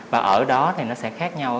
và ở đó nó sẽ khác nhau